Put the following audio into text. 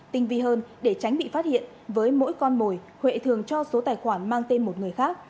tinh vi hơn để tránh bị phát hiện với mỗi con mồi huệ huệ thường cho số tài khoản mang tên một người khác